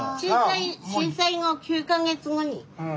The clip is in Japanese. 震災後９か月後に。